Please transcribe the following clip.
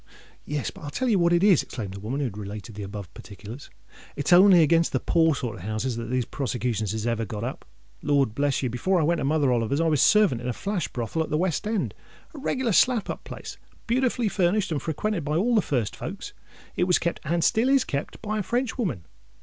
"Yes: but I'll tell you what it is," exclaimed the woman who had related the above particulars; "it's only against the poor sort of houses that these prosecutions is ever got up. Lord bless you! before I went to Mother Oliver's, I was servant in a flash brothel at the West End—a reglar slap up place—beautifully furnished, and frequented by all the first folks. It was kept—and still is kept—by a Frenchwoman.